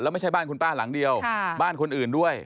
ไม่ใช่บ้านคุณป้าหลังเดียวบ้านคนอื่นด้วย